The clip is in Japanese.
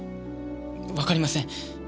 わかりません。